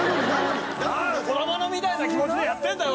子供みたいな気持ちでやってるんだよ